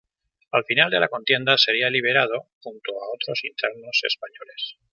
Al final de la contienda sería liberado, junto a otros internos españoles.